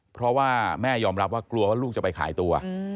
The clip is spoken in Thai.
เพราะว่าแม่ยอมรับว่ากลัวว่าลูกจะไปขายตัว